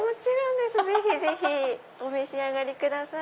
ぜひぜひお召し上がりください。